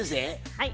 はい。